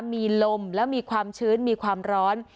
มีลมแล้วมีความชื้นมีความร้อน